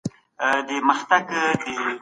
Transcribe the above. د جلال اباد په صنعت کي د تولید لګښت څنګه کمېږي؟